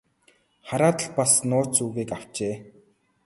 Харуул ч бас нууц үгийг авчээ.